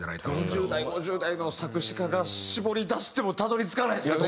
４０代５０代の作詞家が絞り出してもたどり着かないですよね。